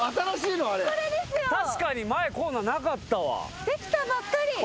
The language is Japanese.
確かに前こんなのなかったわ。